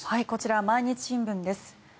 こちら毎日新聞です。